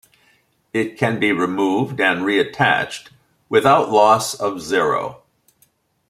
It can be removed and reattached without loss of zero.